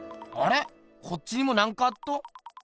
こっちにもなんかあっど。